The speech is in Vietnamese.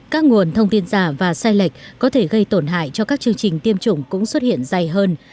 các nguồn thông tin giả và sai lệch có thể gây tổn hại cho các chương trình tiêm chủng cũng xuất hiện dày hơn